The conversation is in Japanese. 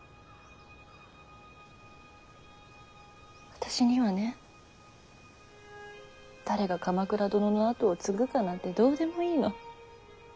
私にはね誰が鎌倉殿の跡を継ぐかなんてどうでもいいの。